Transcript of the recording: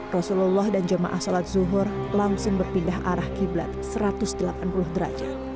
rasulullah dan jamaah sholat zuhur langsung berpindah arah qiblat satu ratus delapan puluh derajat